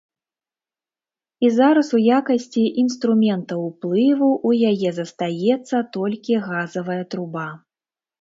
І зараз у якасці інструмента ўплыву ў яе застаецца толькі газавая труба.